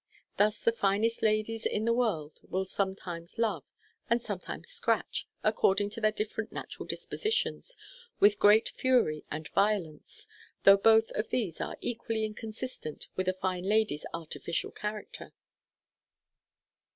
Thus the finest ladies in the world will sometimes love, and sometimes scratch, according to their different natural dispositions, with great fury and violence, though both of these are equally inconsistent with a fine lady's artificial character.